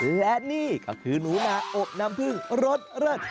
และนี่ก็คือหนูนาอบน้ำพึ่งรสเลิศ